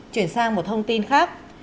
chuyển sang một thông tin khác